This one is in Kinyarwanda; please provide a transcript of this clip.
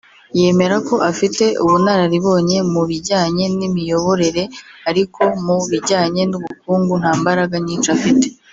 yemera ko afite ubunararibonye mu bijyanye n’imiyoborere ariko mu bijyanye n’ubukungu nta mbaraga nyinshi afite